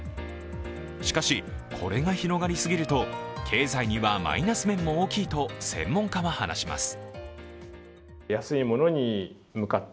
しかし、これが広がりすぎると経済にはマイナス面も大きいと専門家は話します。